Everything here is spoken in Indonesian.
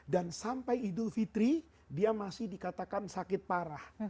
dan sampai idul fitri dia masih dikatakan sakit parah